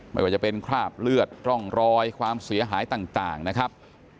ไม่ว่าจะเป็นคราบเลือดร่องรอยความเสียหายต่างนะครับ